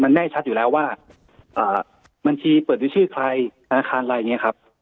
แน่ชัดอยู่แล้วว่าบัญชีเปิดด้วยชื่อใครธนาคารอะไรอย่างนี้ครับ